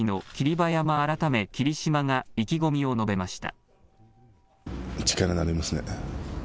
馬山改め霧島が意気込みを述べました。